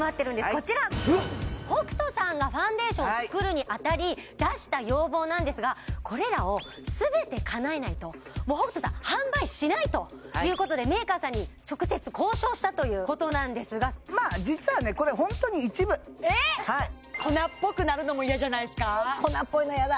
こちら北斗さんがファンデーションを作るに当たり出した要望なんですがこれらをすべてかなえないと北斗さん販売しないということでメーカーさんに直接交渉したということなんですがまあ実はね粉っぽくなるのも嫌じゃないですか粉っぽいの嫌だ！